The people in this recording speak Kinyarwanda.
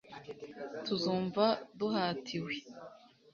Tuzumva duhatiwe